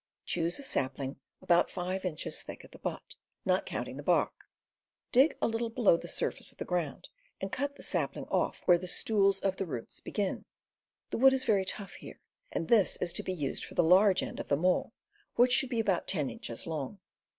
Choose a sapling about five inches thick at the butt, not counting the bark. Dig a little below the surface of the ground and cut the sapling off where the stools of the roots begin. (The wood is very tough here, and this is to be used for the large end of the maul, which should be about ten inches long.)